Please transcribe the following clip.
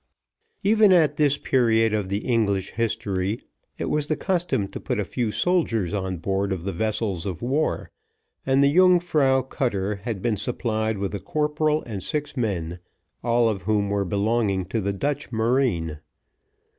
Even at this period of the English history, it was the custom to put a few soldiers on board of the vessels of war, and the Yungfrau cutter had been supplied with a corporal and six men, all of whom were belonging to the Dutch marine.